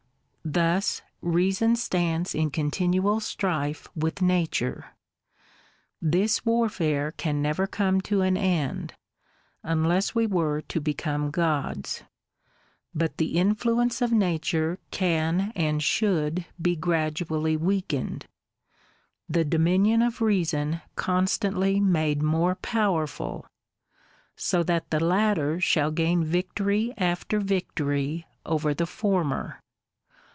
Thus Reason stands in continual strife with Nature. This warfare can never come to an end, unless we were to become gods ; but the influence of Nature can and should be gradually weakened, — the dominion of Reason constantly made more powerful; — so that the latter shall gain victory after victory over the former.